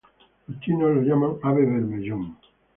Los chinos lo llaman ave bermellón.